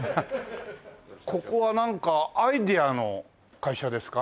ここはなんかアイデアの会社ですか？